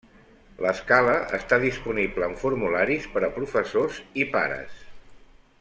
L'escala està disponible en formularis per a professors i pares.